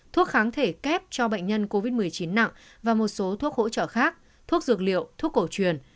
thuốc kháng thể kép cho bệnh nhân covid một mươi chín nặng và một số thuốc hỗ trợ khác thuốc dược liệu thuốc cổ truyền